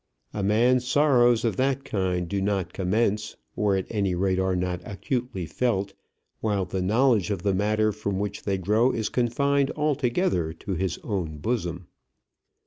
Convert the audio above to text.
A man's sorrows of that kind do not commence, or at any rate are not acutely felt, while the knowledge of the matter from which they grow is confined altogether to his own bosom.